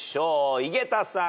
井桁さん。